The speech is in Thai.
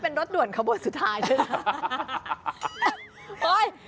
เป็นรถด่วนขบวนสุดท้ายด้วย